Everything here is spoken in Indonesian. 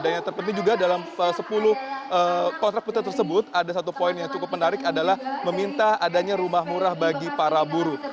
dan yang terpenting juga dalam sepuluh kontrapolitik tersebut ada satu poin yang cukup menarik adalah meminta adanya rumah murah bagi para buruh